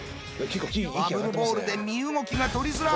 バブルボールで身動きが取りづらい。